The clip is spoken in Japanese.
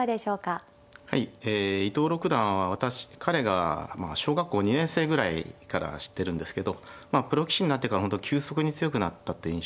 はいえ伊藤六段は私彼が小学校２年生ぐらいから知ってるんですけどプロ棋士になってから本当急速に強くなったって印象ですね。